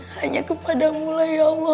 hanya kepadamulah ya allah